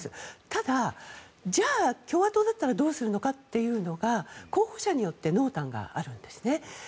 ただ、じゃあ共和党だったらどうするのかというのが候補者によって濃淡があるんですね。